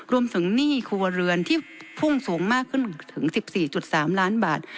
หนี้ครัวเรือนที่พุ่งสูงมากขึ้นถึง๑๔๓ล้านบาท